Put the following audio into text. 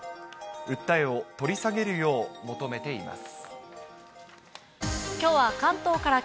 訴えを取り下げるよう求めています。